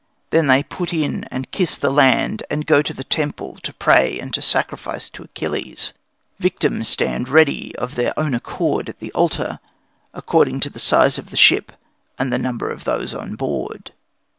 Then they put in and kiss the land, and go to the temple to pray and to sacrifice to Achilles." Victims stand ready of their own accord at the altar, according to the size of the ship and the number of those on board.